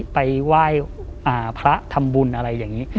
ไปไหว้พระทำบุญอะไรอย่างนี้